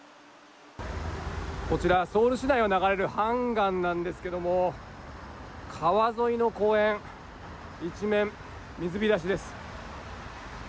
こちらソウル市内を流れるハンガンなんですけれども川沿いの公園、一面水浸しです。